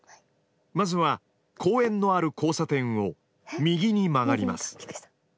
まずは公園のある交差点を右に曲がります。